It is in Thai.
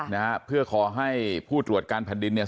นะฮะเพื่อขอให้ผู้ตรวจการแผ่นดินเนี่ย